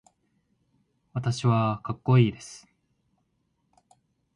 私はかっこいいです。